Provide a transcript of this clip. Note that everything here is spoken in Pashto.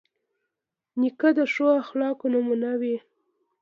نیکه د ښو اخلاقو نمونه وي.